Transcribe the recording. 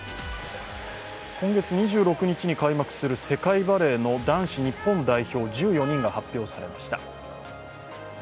今月２６日に開幕する世界バレーの男子日本代表１４人が発表されました。